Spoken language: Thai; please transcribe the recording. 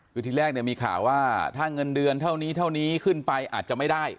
คือที่แรกเนี่ยมีข่าวว่าถ้าเงินเดือนเท่านี้เท่านี้ขึ้นไปอาจจะไม่ได้